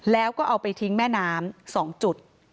แล้วก็เอาไปทิ้งแม่น้ำ๒จุด